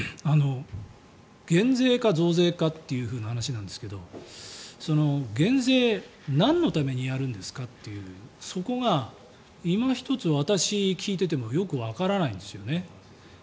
減税か増税かという話なんですけど減税なんのためにやるんですかというそこがいま一つ私、聞いててもよくわからないんですよね。